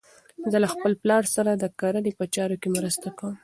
زه له خپل پلار سره د کرنې په چارو کې مرسته کوم.